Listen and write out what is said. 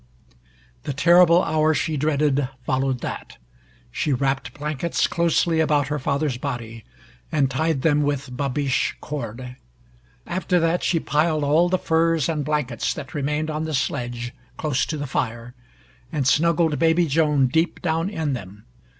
The terrible hour she dreaded followed that. She wrapped blankets closely about her father's body, and tied them with babiche cord. After that she piled all the furs and blankets that remained on the sledge close to the fire, and snuggled baby Joan deep down in them.